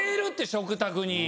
食卓に。